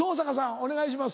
お願いします。